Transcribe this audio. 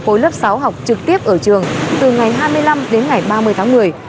khối lớp sáu học trực tiếp ở trường từ ngày hai mươi năm đến ngày ba mươi tháng một mươi